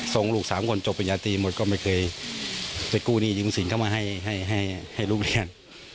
ส่งลูก๓คนจบปริญญาตรีหมดก็ไม่เคยไปกู้หนี้ยืมสินเข้ามาให้ลูกเรียน